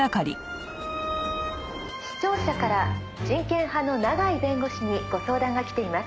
「視聴者から人権派の永井弁護士にご相談がきています」